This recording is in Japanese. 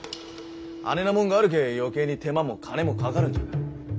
あねなもんがあるけぇ余計に手間も金もかかるんじゃ。